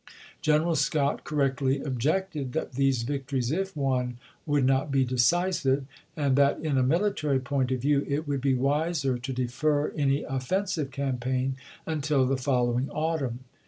G eneral Scott correctly objected that these victories, if won, would not be decisive ; and that in a military point of view it would be wiser to defer any offensive campaign until the following autumn.